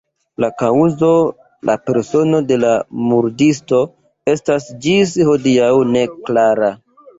La kaŭzo, la persono de la murdisto estas ĝis hodiaŭ neklara.